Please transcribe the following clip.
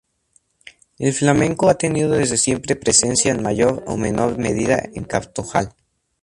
El flamenco ha tenido desde siempre presencia en mayor o menor medida en Cartaojal.